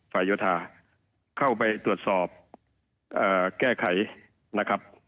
โยธาเข้าไปตรวจสอบแก้ไขนะครับ